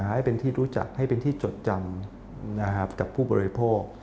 ให้เป็นที่รู้จักให้เป็นที่จดจำกับผู้บริโภค